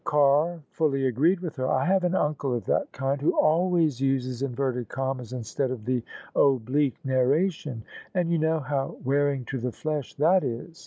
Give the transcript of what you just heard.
Carr fully agreed with her. " I have an uncle of that kind, who always uses inverted commas instead of the oblique narration; and, you know how wearing to the flesh that is